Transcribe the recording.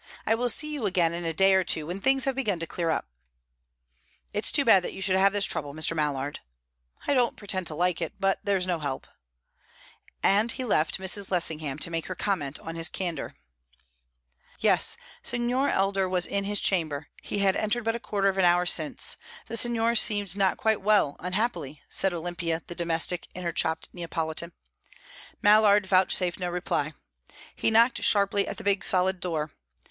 "I will see you again in a day or two, when things have begun to clear up." "It's too bad that you should have this trouble, Mr. Mallard." "I don't pretend to like it, but there's no help." And he left Mrs. Lessingham to make her comment on his candour. Yes, Signor Elgar was in his chamber; he had entered but a quarter of an hour since. The signor seemed not quite well, unhappily said Olimpia, the domestic, in her chopped Neapolitan. Mallard vouchsafed no reply. He knocked sharply at the big solid door.